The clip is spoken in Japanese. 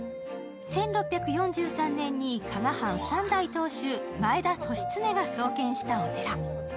１６４３年に加賀藩３代目当主前田利常が創建したお寺。